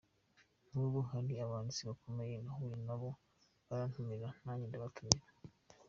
Nk’ubu hari abanditsi bakomeye nahuye na bo barantumira nanjye ndabatumira.